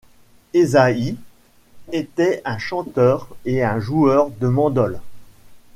Ezzahi était un chanteur et un joueur de mandole.